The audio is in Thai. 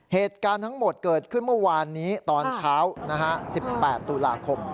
เหตุการณ์ทั้งหมดเกิดขึ้นเมื่อวานนี้ตอนเช้า๑๘ตุลาคม